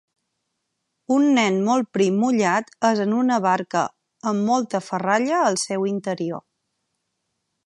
Un nen molt prim mullat és en una barca amb molta ferralla al seu interior.